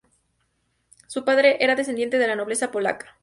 Su padre era descendiente de la nobleza polaca.